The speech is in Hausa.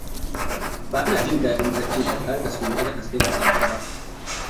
Bana jin daɗin bacci ba tare da sumabatar sai da safe ba.